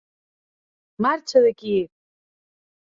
Marxa d'aquí!